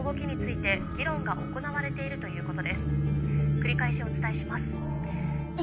繰り返しお伝えします